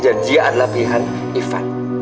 dan dia adalah pihan ivan